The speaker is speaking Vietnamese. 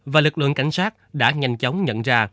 và lực lượng cảnh sát đã nhanh chóng nhận ra